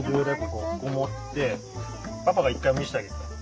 ここ持ってパパが一回見せてあげるから。